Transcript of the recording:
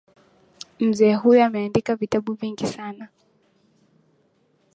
Mzee huyo ameandika vitabu vingi sana